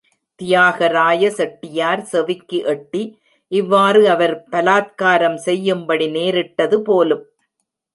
தியாகராய செட்டியார் செவிக்கு எட்டி, இவ்வாறு அவர் பலாத்காரம் செய்யும்படி நேரிட்டது போலும்.